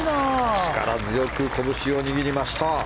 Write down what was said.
力強くこぶしを握りました。